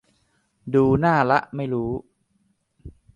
ดูหน้าละไม่รู้